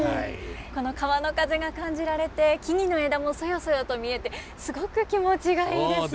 この川の風が感じられて木々の枝もそよそよと見えてすごく気持ちがいいです。